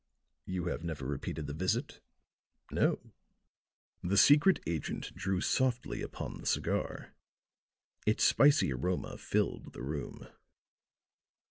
"You have never repeated the visit?" "No." The secret agent drew softly upon the cigar; its spicy aroma filled the room.